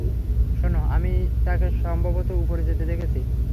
শোনো, আমি তাকে সম্ভবত উপরে যেতে দেখেছি।